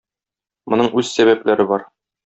Моның үз сәбәпләре бар.